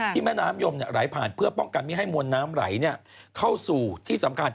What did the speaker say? แม่น้ำยมไหลผ่านเพื่อป้องกันไม่ให้มวลน้ำไหลเข้าสู่ที่สำคัญ